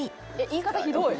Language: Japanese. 「言い方ひどい！」